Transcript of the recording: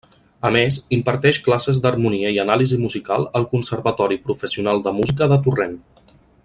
A més, imparteix classes d'harmonia i anàlisi musical al Conservatori Professional de Música de Torrent.